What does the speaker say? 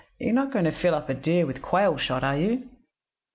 'You are not going to fill up a deer with quail shot, are you?'